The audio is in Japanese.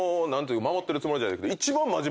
守ってるつもりじゃないけど。